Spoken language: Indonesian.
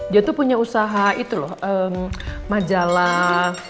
dia tuh punya usaha itu loh majalah